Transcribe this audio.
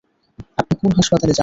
আপনি কোন হাসপাতালে যান?